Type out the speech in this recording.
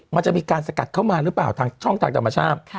มันจะมีการสกัดเข้ามาหรือเปล่าทางช่องทางธรรมชาติ